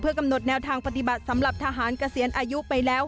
กำหนดแนวทางปฏิบัติสำหรับทหารเกษียณอายุไปแล้ว